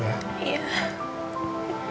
tiga tahun pc een